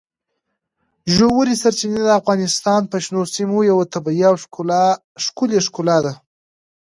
ژورې سرچینې د افغانستان د شنو سیمو یوه طبیعي او ښکلې ښکلا ده.